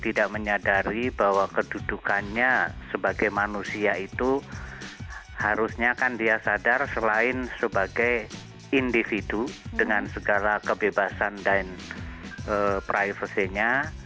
tidak menyadari bahwa kedudukannya sebagai manusia itu harusnya kan dia sadar selain sebagai individu dengan segala kebebasan dan privacy nya